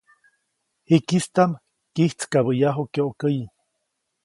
Jikistaʼm kyijtskabäʼyaju kyokäyi.